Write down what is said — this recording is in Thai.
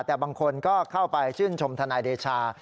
แต่บางคนก็เข้าไปชื่นชมทนายเดชา